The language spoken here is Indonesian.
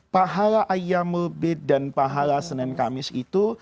pahala ayam mulbid dan pahala senin kamis itu